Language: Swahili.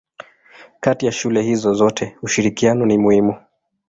Kati ya shule hizo zote ushirikiano ni muhimu.